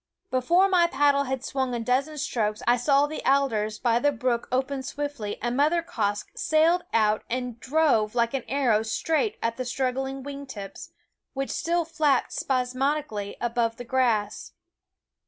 Before my pad // 7 die had swung a dozen f '//' strokes I saw the alders THE WOODS by the brook open swiftly, and Mother Quoskh sailed out and drove like an ar row straight at ^.,~ the struggling wing tips, which still flapped spasmodically above the grass.